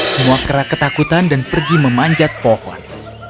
semua kerak ketakutan dan pergi memanjat pohon